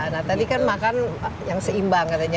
nah tadi kan makan yang seimbang katanya